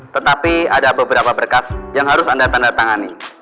tetapi ada beberapa berkas yang harus anda tandatangani